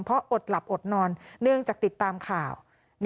เพราะอดหลับอดนอนเนื่องจากติดตามข่าว